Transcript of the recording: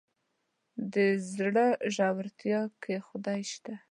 د زړه ژورتيا کې خدای شته.